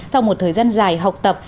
sau một thời gian dài học tập